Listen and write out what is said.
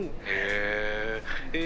へえ。